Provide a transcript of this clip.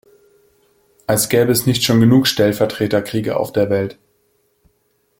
Als gäbe es nicht schon genug Stellvertreterkriege auf der Welt.